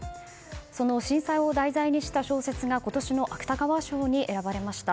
その震災を題材にした小説が今年の芥川賞に選ばれました。